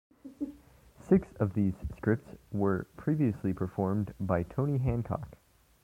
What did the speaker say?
Six of these scripts were previously performed by Tony Hancock.